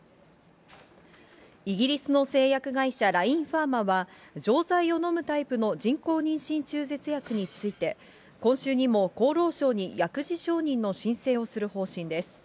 イギリスの製薬会社、ラインファーマは、錠剤をのむタイプの人工妊娠中絶薬について、今週にも厚労省に薬事承認の申請をする方針です。